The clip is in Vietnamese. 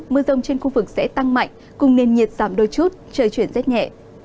mưa rông trên khu vực sẽ tăng mạnh cùng nền nhiệt giảm đôi chút trời chuyển rất nhẹ